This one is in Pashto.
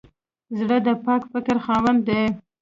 زړه د پاک فکر خاوند دی.